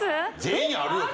全員あるよ